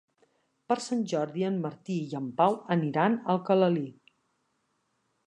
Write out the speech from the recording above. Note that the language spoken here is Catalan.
Per Sant Jordi en Martí i en Pau aniran a Alcalalí.